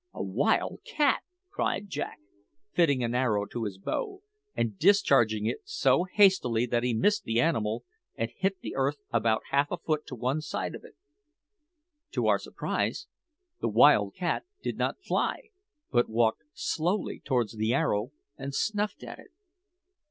"A wild cat!" cried Jack, fitting an arrow to his bow, and discharging it so hastily that he missed the animal, and hit the earth about half a foot to one side of it. To our surprise, the wild cat did not fly, but walked slowly towards the arrow and snuffed at it.